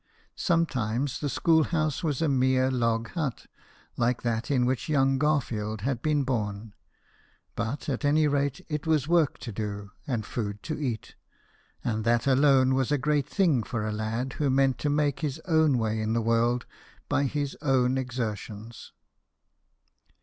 Sometimes the school house was a mere log hut, like that in which young Garfield had been born ; but, at any rate, it was work to do, and food to eat, and that alone was a great thing for a lad who meant to make his own way in the world by his own exertions.